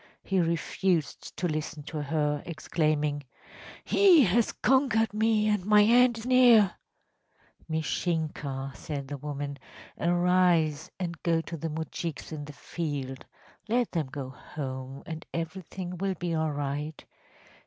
He refused to listen to her, exclaiming: “He has conquered me, and my end is near!‚ÄĚ ‚ÄúMishinka,‚ÄĚ said the woman, “arise and go to the moujiks in the field. Let them go home, and everything will be all right.